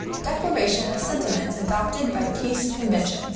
"DECLARATION OF SENTIMENTS ADOPTED BY PEACE CONVENTION.